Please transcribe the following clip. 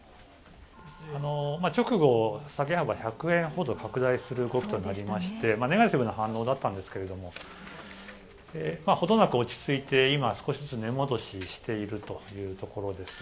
直後、下げ幅１００円ほど拡大する動きとなりましてネガティブな反応だったんですけどもほどなく落ち着いて、今、値戻ししているところです。